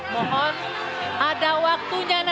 mohon ada waktunya nanti